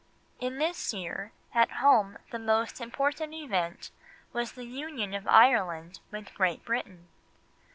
In this year, at home the most important event was the Union of Ireland with Great Britain.